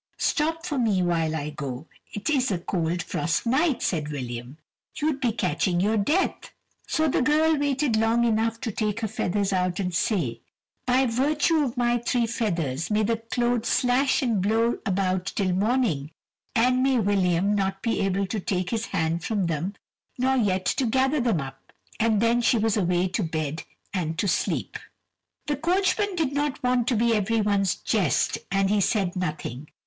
"Stop for me while I go; it is a cold frost night," said William, "you'd be catching your death." So the girl waited long enough to take her feathers out and say, "By virtue of my three feathers may the clothes slash and blow about till morning, and may William not be able to take his hand from them nor yet to gather them up." And then she was away to bed and to sleep. The coachman did not want to be every one's jest, and he said nothing.